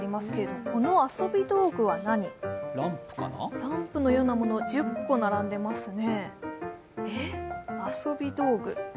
ランプのようなものが１０個並んでますね。